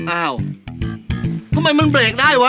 อ้าวทำไมมันเปลี่ยนได้วะ